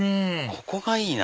ここがいいな！